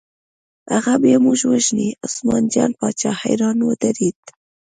هغه بیا موږ وژني، عثمان جان باچا حیران ودرېد.